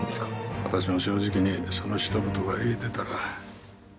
私も正直にそのひと言が言えてたら。